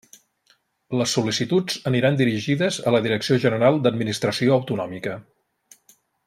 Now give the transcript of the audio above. Les sol·licituds aniran dirigides a la Direcció General d'Administració Autonòmica.